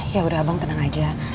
ya abang tenang aja